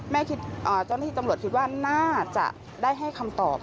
เจ้าหน้าที่ตำรวจคิดว่าน่าจะได้ให้คำตอบ